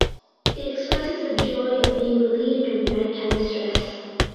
It expresses the joy of being relieved of nighttime stress.